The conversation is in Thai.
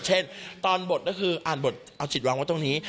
เช่นตอนบทก็คืออ่านบทเอาจิตวางไว้ตรงนี้